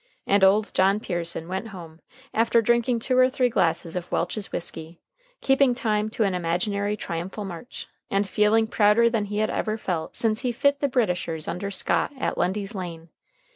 And old John Pearson went home, after drinking two or three glasses of Welch's whisky, keeping time to an imaginary triumphal march, and feeling prouder than he had ever felt since he fit the Britishers under Scott at Lundy's Lane.